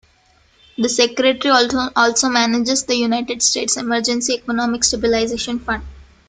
The Secretary also manages the United States Emergency Economic Stabilization fund.